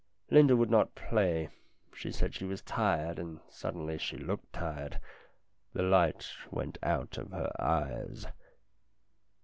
Linda would not play. She said she was tired, 284 STORIES IN GREY and suddenly she looked tired. The light went out of her eyes.